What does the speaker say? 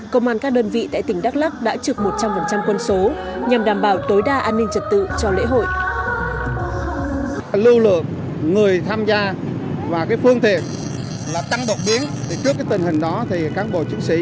công an các đơn vị tại tỉnh đắk lắc đã trực một trăm linh quân số